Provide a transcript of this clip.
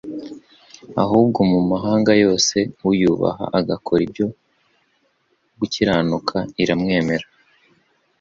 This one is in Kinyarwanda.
ahubwo mu mahanga yose uyubaha agakora ibyo gukiranuka, iramwemera.”